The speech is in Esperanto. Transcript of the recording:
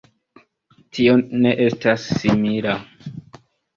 Tio ne estas simila.